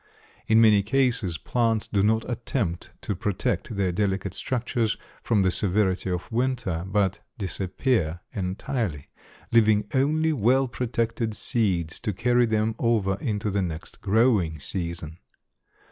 In many cases plants do not attempt to protect their delicate structures from the severity of winter, but disappear entirely, leaving only well protected seeds to carry them over into the next growing season.